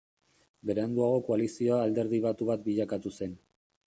Beranduago koalizioa alderdi batu bat bilakatu zen.